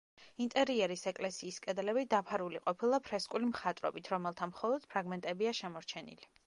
ინტერიერის ეკლესიის კედლები დაფარული ყოფილა ფრესკული მხატვრობით, რომელთა მხოლოდ ფრაგმენტებია შემორჩენილი.